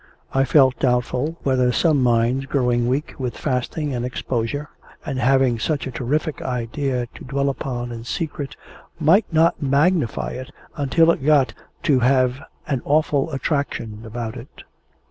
I felt doubtful whether some minds, growing weak with fasting and exposure and having such a terrific idea to dwell upon in secret, might not magnify it until it got to have an awful attraction about it.